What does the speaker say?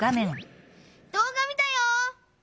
どう画見たよ！